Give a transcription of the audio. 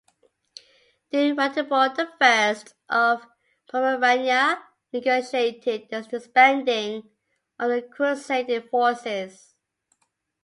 Duke Ratibor I of Pomerania, negotiated the disbanding of the crusading forces.